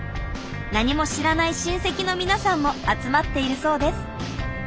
何も知らない親戚の皆さんも集まっているそうです。